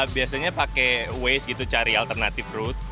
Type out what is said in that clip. biasanya pakai waze gitu cari alternatif roads